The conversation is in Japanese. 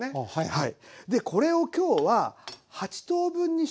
はい。